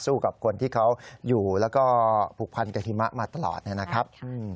กับคนที่เขาอยู่แล้วก็ผูกพันกับหิมะมาตลอดนะครับ